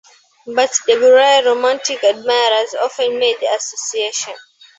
But Deburau's Romantic admirers often made the association.